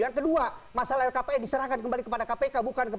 yang kedua masalah lkpn diserahkan kembali kepada kpk